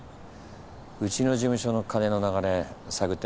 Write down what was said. うちの事務所の金の流れ探ってますよね？